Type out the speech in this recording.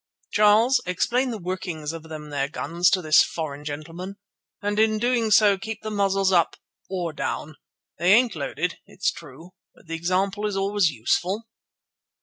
Charles, explain the working of them there guns to this foreign gentleman, and in doing so keep the muzzles up or down. They ain't loaded, it's true, but the example is always useful."